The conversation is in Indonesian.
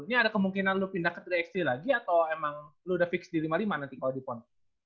ini ada kemungkinan lo pindah ke tiga x tiga lagi atau emang lu udah fix di lima puluh lima nanti kalau di pon